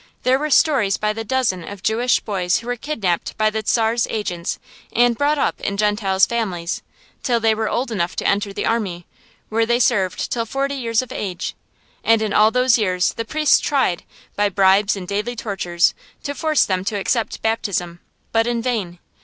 There were stories by the dozen of Jewish boys who were kidnapped by the Czar's agents and brought up in Gentile families, till they were old enough to enter the army, where they served till forty years of age; and all those years the priests tried, by bribes and daily tortures, to force them to accept baptism, but in vain.